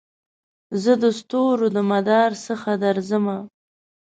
زه دستورو دمدار څخه درځمه